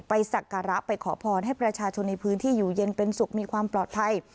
สักการะไปขอพรให้ประชาชนในพื้นที่อยู่เย็นเป็นสุขมีความปลอดภัย